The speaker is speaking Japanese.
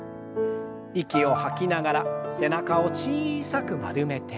息を吐きながら背中を小さく丸めて。